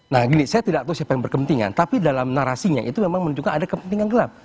nah gini saya tidak tahu siapa yang berkepentingan tapi dalam narasinya itu memang menunjukkan ada kepentingan gelap